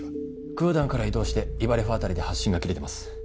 クーダンから移動してイバレフ辺りで発信が切れてます